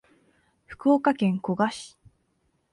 福岡県古賀市